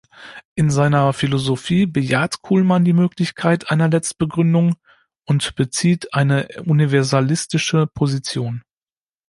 In seiner Philosophie bejaht Kuhlmann die Möglichkeit einer Letztbegründung und bezieht eine universalistische Position.